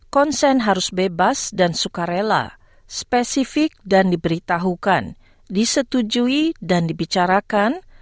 konsen harus bebas dan sukarela spesifik dan diberitahukan disetujui dan dibicarakan